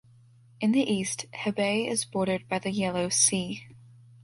In the east, Hebei is bordered by the Yellow Sea.